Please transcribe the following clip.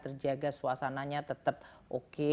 terjaga suasananya tetap oke